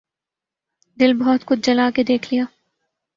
دل بہت کچھ جلا کے دیکھ لیا